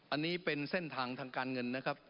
อันนี้เป็นเส้นทางทางการเงินนะครับ